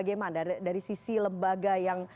gimana dari sisi lembaga yang